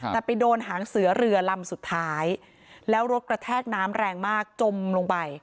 แต่ไปโดนหางเสือเรือลำสุดท้ายแล้วรถกระแทกน้ำแรงมากจมลงไป